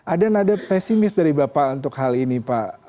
ada nada pesimis dari bapak untuk hal ini pak